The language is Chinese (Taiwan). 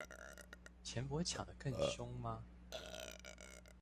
錢不會搶得更兇嗎？